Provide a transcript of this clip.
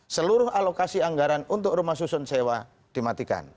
seluruh alokasi anggaran untuk rumah susun sewa dimatikan